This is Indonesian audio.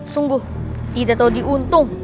sungguh tidak tahu diuntung